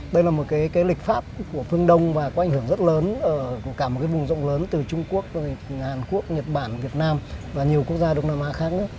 đây là một cái lịch pháp của phương đông và có ảnh hưởng rất lớn ở cả một cái vùng rộng lớn từ trung quốc hàn quốc nhật bản việt nam và nhiều quốc gia đông nam á khác nữa